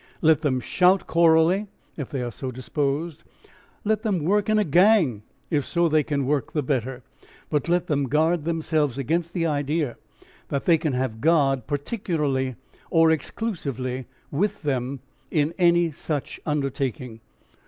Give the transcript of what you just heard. Let them shout chorally if they are so disposed. Let them work in a gang if so they can work the better. But let them guard themselves against the idea that they can have God particularly or exclusively with them in any such undertaking.